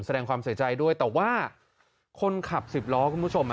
แสดงความเสียใจด้วยแต่ว่าคนขับสิบล้อคุณผู้ชม